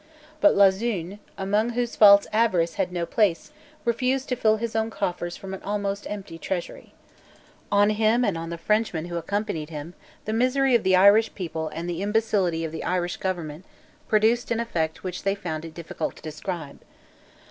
But Lauzun, among whose faults avarice had no place, refused to fill his own coffers from an almost empty treasury, On him and on the Frenchmen who accompanied him the misery of the Irish people and the imbecility of the Irish government produced an effect which they found it difficult to describe.